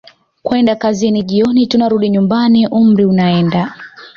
kwenda kazini jioni tunarudi nyumbani umri unaenda